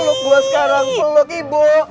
peluk gue sekarang peluk ibu